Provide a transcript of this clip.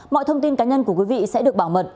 mọi thông tin cá nhân của quý vị sẽ được bảo mật